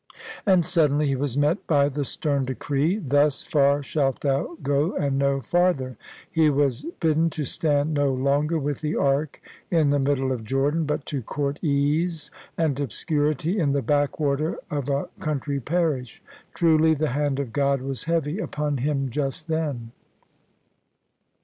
And suddenly he was met by the stem decree, " Thus far shalt thou go and no farther "; he was bidden to stand no longer with the Ark in the middle of Jordan, but to court ease and obscurity in the backwater of a coun try parish. Truljr the Hand of God was heavy upon him just then!